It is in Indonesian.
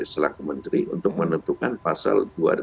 selaku menteri untuk menentukan pasal dua